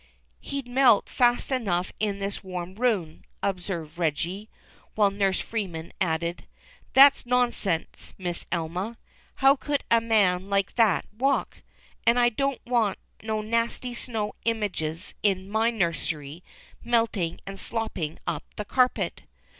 " He'd melt fast enough in this w'arm room," ob served Reggie, while Nurse Freeman added, "That's nonsense. Miss Elma. How could a man like that Avalk ? And I don't want no nasty snow images in my nursery, melting and slopping up the carpet."